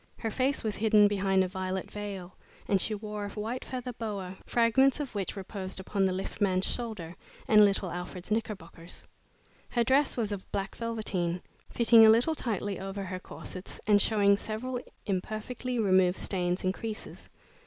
Her face was hidden behind a violet veil, and she wore a white feather boa, fragments of which reposed upon the lift man's shoulder and little Alfred's knickerbockers. Her dress was of black velveteen, fitting a little tightly over her corsets, and showing several imperfectly removed stains and creases.